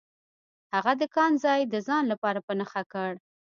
هغه د کان ځای د ځان لپاره په نښه کړ.